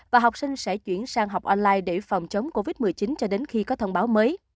và học sinh sẽ chuyển sang học online để phòng chống covid một mươi chín cho đến khi có thông báo mới